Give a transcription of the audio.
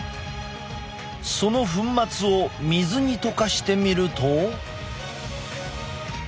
その粉末を水に溶かしてみると。